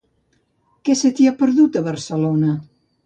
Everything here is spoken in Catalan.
Què se t'hi ha perdut, a Barcelona?